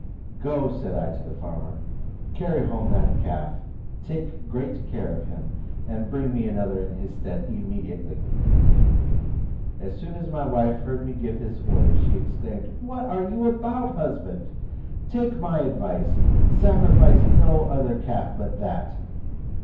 "Go," said I to the farmer, "carry home that calf, take great care of him, and bring me another in his stead immediately." As soon as my wife heard me give this order, she exclaimed, "What are you about, husband? Take my advice, sacrifice no other calf but that."